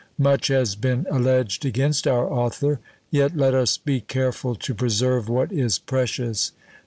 Much has been alleged against our author: yet let us be careful to preserve what is precious.